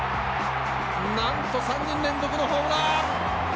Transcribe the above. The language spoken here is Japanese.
なんと３人連続のホームラン！